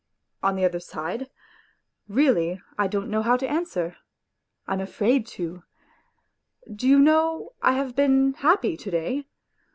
%i On the other side ? Really I don't know how to answer; I am afraid to. ... Do you know I have been happy to day?